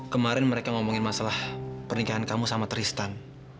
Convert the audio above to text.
kemarin mereka ngomongin masalah pernikahan kamu sama tristan